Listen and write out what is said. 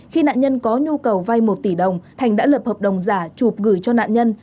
khi nạn nhân có nhu cầu vay một tỷ đồng thành đã lập hợp đồng giả chụp gửi cho nạn nhân